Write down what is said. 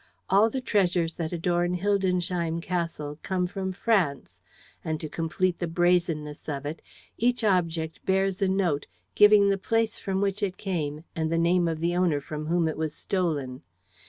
All the treasures that adorn Hildensheim Castle come from France; and, to complete the brazenness of it, each object bears a note giving the place from which it came and the name of the owner from whom it was stolen.